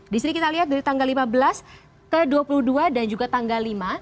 di sini kita lihat dari tanggal lima belas ke dua puluh dua dan juga tanggal lima